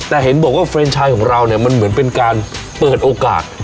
แต่เห็นบอกว่าเฟรนชายของเราเนี่ยมันเหมือนเป็นการเปิดโอกาส